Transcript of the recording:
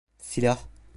Silah!